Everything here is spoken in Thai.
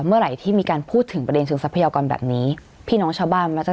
เมื่อไหร่ที่มีการพูดถึงประเด็นเชิงทรัพยากรแบบนี้พี่น้องชาวบ้านมักจะ